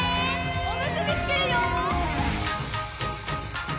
おむすびつくるよ。